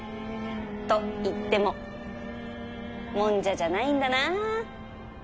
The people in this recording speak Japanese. と言っても「もんじゃ」じゃないんだな